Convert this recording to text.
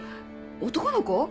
男の子？